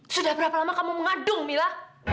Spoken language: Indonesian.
sudah berapa lama kamu mengandung mila